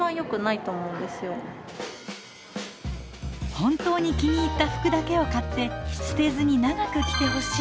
本当に気に入った服だけを買って捨てずに長く着てほしい。